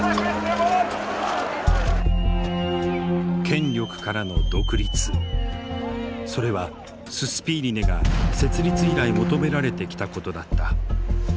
権力からの独立それはススピーリネが設立以来求められてきたことだった。